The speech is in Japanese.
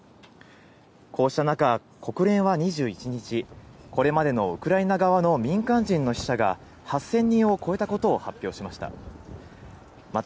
こうした中、国連は２１日、これまでのウクライナ側の民間人の死者が８０００人を超えたことを発表しました。